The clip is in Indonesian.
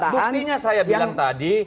buktinya saya bilang tadi